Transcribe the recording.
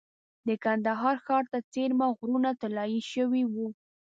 د کندهار ښار ته څېرمه غرونه طلایي شوي وو.